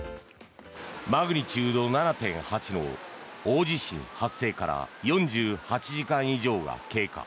マグニチュード７．８の大地震発生から４８時間以上が経過。